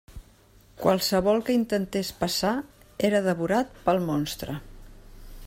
Qualsevol que intentés passar era devorat pel monstre.